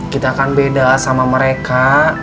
kita akan beda sama mereka